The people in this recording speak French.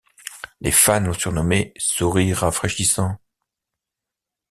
Les fans l'ont surnommé Sourire Rafraîchisant.